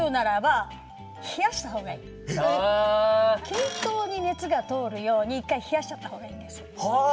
均等に熱が通るように一回冷やしちゃったほうがいいんです。